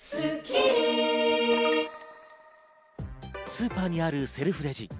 スーパーにあるセルフレジ。